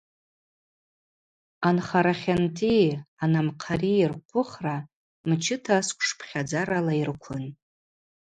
Анхара хьанти анамхъари рхъвыхра мчыта сквшпхьадзарала йрыквын.